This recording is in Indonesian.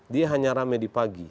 dia hanya rame di pagi